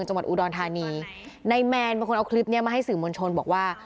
จังหวัดอุดรธานีนายแมนเป็นคนเอาคลิปเนี้ยมาให้สื่อมวลชนบอกว่า